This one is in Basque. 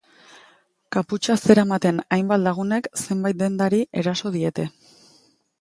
Kaputxa zeramaten hainbat lagunek zenbait dendari eraso diete.